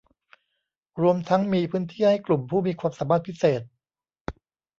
รวมทั้งมีพื้นที่ให้กลุ่มผู้มีความสามารถพิเศษ